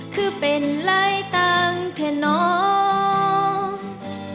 คือเป็นไรต่างเท่นเนาะ